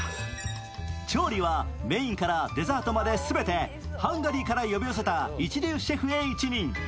調理はメインからデザートまで全てハンガリーから呼び寄せた一流シェフへ一任。